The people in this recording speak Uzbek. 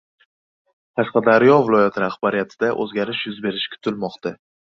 Qashqadaryo viloyati rahbariyatida o‘zgarish yuz berishi kutilmoqda.